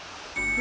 何？